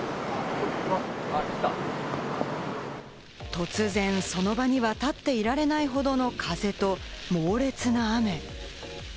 突然、その場には立っていられないほどの風と猛烈な雨。